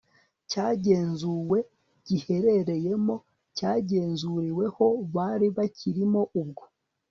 cyagenzuwe giherereyemo cyagenzuriweho bari bakirimo ubwo